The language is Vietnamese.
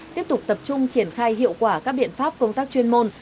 tiếp tục tập trung triển khai hiệu quả các biện pháp công tác chuyên môn